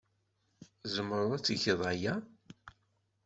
Tzemreḍ ad tgeḍ aya?